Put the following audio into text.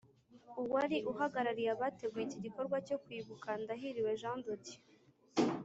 Uwari uhagarariye abateguye iki gikorwa cyo Kwibuka Ndahiriwe Jean de Dieu